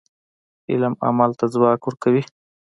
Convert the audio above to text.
علم عمل ته ځواک ورکوي.